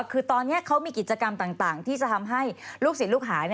คือตอนนี้เขามีกิจกรรมต่างที่จะทำให้ลูกศิษย์ลูกหา